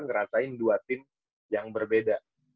ngerasain dua tim yang berbeda